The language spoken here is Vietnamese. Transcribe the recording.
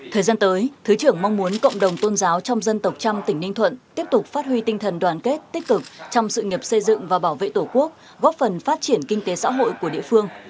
thời gian tới thứ trưởng mong muốn cộng đồng tôn giáo trong dân tộc trăm tỉnh ninh thuận tiếp tục phát huy tinh thần đoàn kết tích cực trong sự nghiệp xây dựng và bảo vệ tổ quốc góp phần phát triển kinh tế xã hội của địa phương